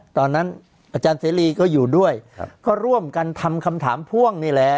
อาจารย์เสรีก็อยู่ด้วยก็ร่วมกันทำคำถามพ่วงนี่แหละ